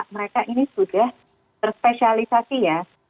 mereka ini sudah berspesialisasi ya